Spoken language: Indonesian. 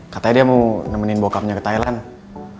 katanya dia mau nemenin bocamnya ke thailand